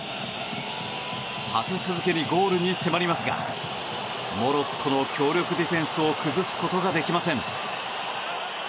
立て続けにゴールに迫りますがモロッコの強力ディフェンスを崩すことができません。